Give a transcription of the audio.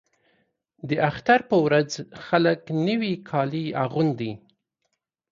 د اختر په ورځ خلک نوي کالي اغوندي.